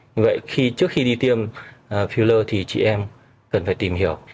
như vậy khi trước khi đi tiêm filler thì chị em cần phải tìm hiểu